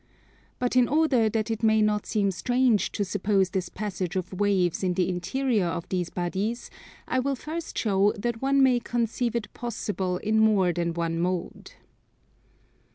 But in order that it may not seem strange to suppose this passage of waves in the interior of these bodies, I will first show that one may conceive it possible in more than one mode.